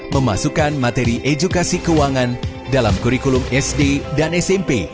memasukkan materi edukasi keuangan dalam kurikulum sd dan smp